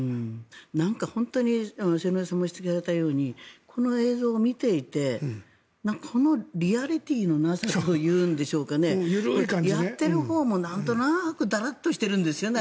本当に末延さんもおっしゃったようにこの映像を見ていてこのリアリティーのなさというんでしょうかやってるほうもなんとなくだらっとしてるんですよね。